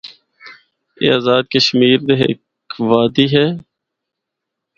اے آزادکشمیر دی ہک وادی اے۔